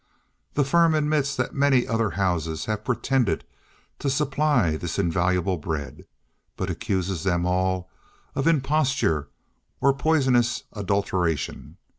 The Firm admits that many other houses have pretended to supply this invaluable bread, but accuses them all of imposture or poisonous adulteration.